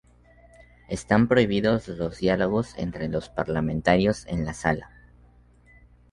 Están prohibidos los diálogos entre los parlamentarios en la sala.